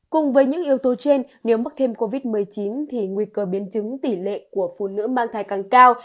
cùng với những yếu tố trên nếu mắc thêm covid một mươi chín thì nguy cơ biến chứng tỷ lệ của phụ nữ mang thai càng cao